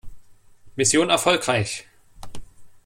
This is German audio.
Mission erfolgreich!